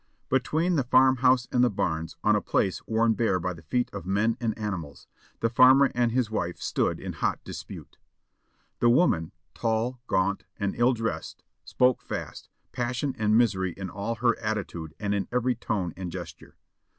Between the farmhouse and the barns, on a place worn bare by the feet of men and animals, the farmer and his wife stood in hot dispute. The woman, tall, gaunt, and ill dressed, spoke fast, passion and misery in all her attitude and in every tone and gesture.